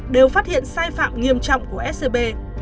đều phát hiện sai phạm nghiêm trọng của scb